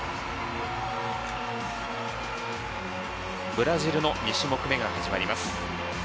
ブラジルの２種目めが始まります。